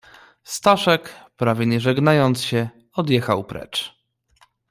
"Staszek, prawie nie żegnając się, odjechał precz."